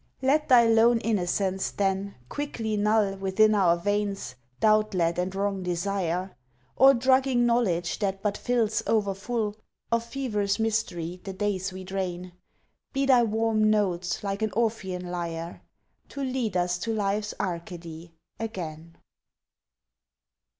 Let thy lone innocence then quickly null Within our veins doubt led and wrong desire Or drugging knowledge that but fills o'erfull Of feverous mystery the days we drain! Be thy warm notes like an Orphean lyre To lead us to life's Arcady again!